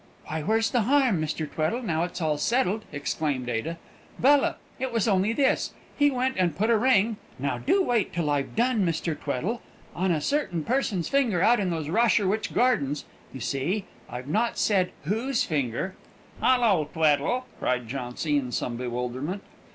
"Why, where's the harm, Mr. Tweddle, now it's all settled?" exclaimed Ada. "Bella, it was only this: he went and put a ring (now do wait till I've done, Mr. Tweddle!) on a certain person's finger out in those Rosherwich Gardens (you see, I've not said whose finger)." "Hullo, Tweddle!" cried Jauncy, in some bewilderment.